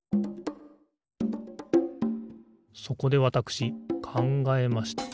そこでわたしくかんがえました。